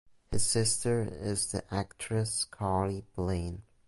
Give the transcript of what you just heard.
His sister is the actress Carly Blane.